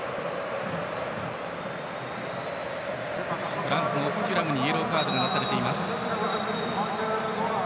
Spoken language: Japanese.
フランスのテュラムにイエローカードが出ています。